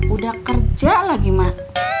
udah kerja lagi mak